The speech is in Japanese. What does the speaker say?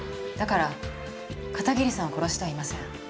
だから片桐さんを殺してはいません。